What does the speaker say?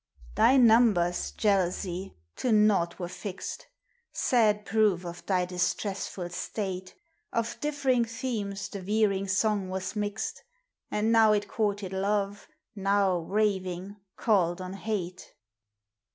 Thy numbers, Jealousy, to naught were fixed,— Sad proof of thy distressful state; Of differing themes the veering song was mixed ; And now it courted Love,— now, raving, called on Hate.